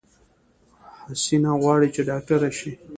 حسينه غواړی چې ډاکټره شی